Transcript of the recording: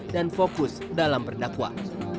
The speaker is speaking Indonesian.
dan fokus dalam berdakwah